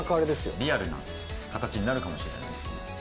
リアルな形になるかもしれな